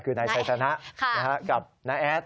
คือนายไซสนะกับน้าแอด